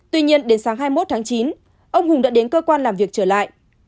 tuy nhiên đến sáng hai mươi một tháng chín ông hùng đã đến cơ quan làm việc trở lại